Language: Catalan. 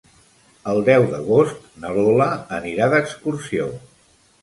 El deu d'agost na Lola anirà d'excursió.